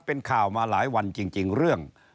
เป็นข่าวมาหลายวันจริงเรื่อง